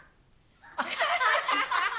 アハハハハ！